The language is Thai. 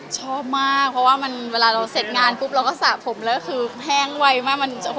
ชอบมากเพราะว่าเวลาเราเสร็จงานปุ๊บเราก็สระผมแล้วคือแห้งไวมากมันจะ